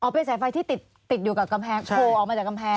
เป็นสายไฟที่ติดอยู่กับกำแพงโผล่ออกมาจากกำแพง